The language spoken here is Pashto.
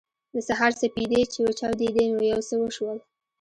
د سهار سپېدې چې وچاودېدې نو یو څه وشول